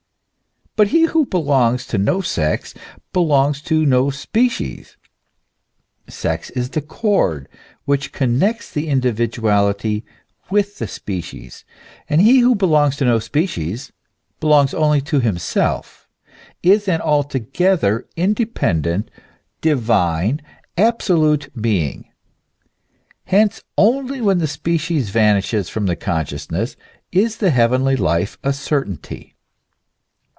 But he who belongs to no sex, belongs to no species ; sex is the cord which connects the individuality with the species, and he who belongs to no species, belongs only to himself, is an altogether independent, divine, absolute being. Hence only when the species vanishes from the consciousness is the heavenly life a certainty.